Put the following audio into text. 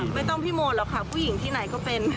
ใช่ค่ะไม่ต้องพี่โมอหรอกค่ะผู้หญิงที่ไหนก็เป็น